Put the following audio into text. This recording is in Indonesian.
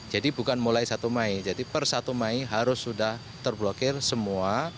jadi bukan mulai satu mei jadi per satu mei harus sudah terblokir semua